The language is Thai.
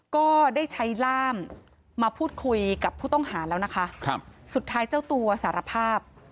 ก็ได้ใช้ล่ามมาพูดคุยกับผู้ต้องหาแล้วนะคะครับสุดท้ายเจ้าตัวสารภาพ